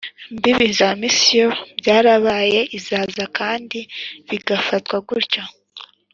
mbibi za misiyoni byarabaye i Zaza kandi bigafatwa gutyo